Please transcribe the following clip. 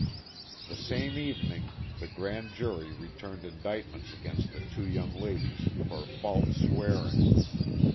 The same evening the grand jury returned indictments against the two young ladies for "false swearing."